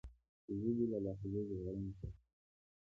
د ژبې او لهجو ژغورنې ته اړتیا وه.